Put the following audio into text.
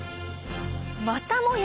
またもや